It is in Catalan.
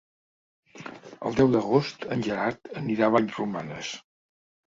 El deu d'agost en Gerard anirà a Vallromanes.